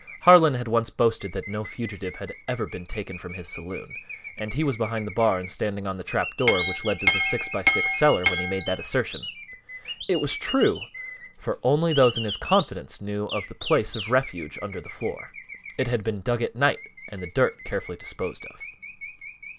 Harlan had once boasted that no fugitive had ever been taken from his saloon, and he was behind the bar and standing on the trap door which led to the six by six cellar when he made the assertion. It was true, for only those in his confidence knew of the place of refuge under the floor: it had been dug at night and the dirt carefully disposed of.